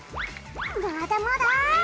まだまだ！